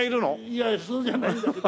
いやそうじゃないんだけど。